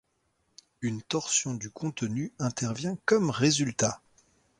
Une torsion du contenu intervient comme résultat.